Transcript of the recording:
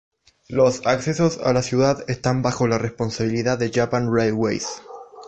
Los accesos a la ciudad están bajo la responsabilidad de Japan Railways.